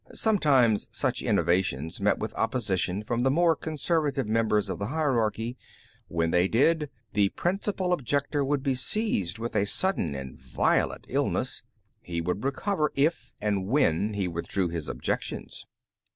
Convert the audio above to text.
Sometimes such innovations met with opposition from the more conservative members of the hierarchy: when they did, the principal objector would be seized with a sudden and violent illness; he would recover if and when he withdrew his objections.